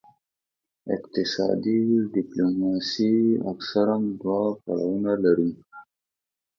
اقتصادي ډیپلوماسي اکثراً دوه پړاوونه لري